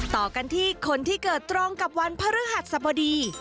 ต่อกันที่คนที่เกิดตรงกับวันพระฤหัสสบดี